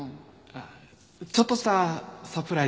あっちょっとしたサプライズです。